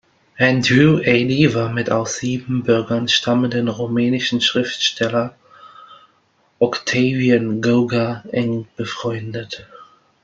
Endre Ady war mit dem aus Siebenbürgen stammenden rumänischen Schriftsteller Octavian Goga eng befreundet.